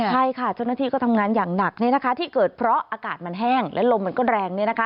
ใช่ค่ะเจ้าหน้าที่ก็ทำงานอย่างหนักที่เกิดเพราะอากาศมันแห้งและลมมันก็แรงเนี่ยนะคะ